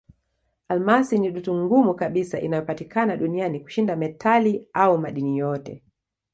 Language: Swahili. Almasi ni dutu ngumu kabisa inayopatikana duniani kushinda metali au madini yote.